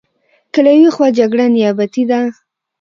که له یوې خوا جګړه نیابتي ده.